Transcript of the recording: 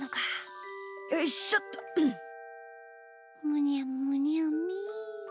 むにゃむにゃみ。